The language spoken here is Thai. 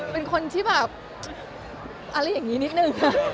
เป็นคนที่แบบอะไรอย่างนี้นิดนึง